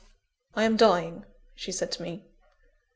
"I am dying," she said to me.